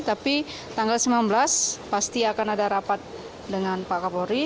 tapi tanggal sembilan belas pasti akan ada rapat dengan pak kapolri